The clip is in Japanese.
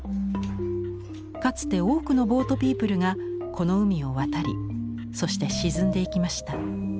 かつて多くのボートピープルがこの海を渡りそして沈んでいきました。